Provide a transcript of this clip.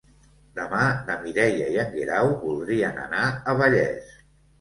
Demà na Mireia i en Guerau voldrien anar a Vallés.